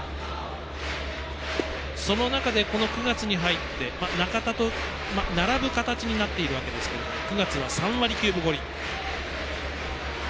その中で、９月に入って中田の並ぶ形になっているわけですが９月は３割９分５厘。